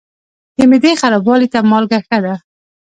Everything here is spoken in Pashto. د معدې خرابوالي ته مالګه ښه ده.